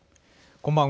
こんばんは。